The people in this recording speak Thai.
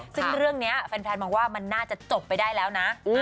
ซึ่งเรื่องนี้แฟนมองว่ามันน่าจะจบไปได้แล้วนะ